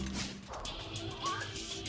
pergi ke sana cepet